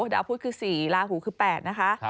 ดาวพุทธคือ๔ลาหูคือ๘นะคะ